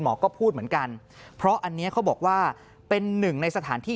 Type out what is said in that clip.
ก็พูดเหมือนกันเพราะอันนี้เขาบอกว่าเป็นหนึ่งในสถานที่